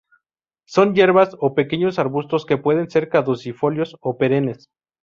Son hierbas o pequeños arbustos que pueden ser caducifolios o perennes.